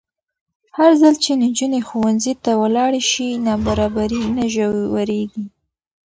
هرځل چې نجونې ښوونځي ته ولاړې شي، نابرابري نه ژورېږي.